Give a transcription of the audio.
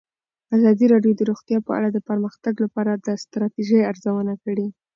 ازادي راډیو د روغتیا په اړه د پرمختګ لپاره د ستراتیژۍ ارزونه کړې.